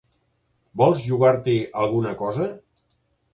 Vols jugar-t'hi alguna cosa?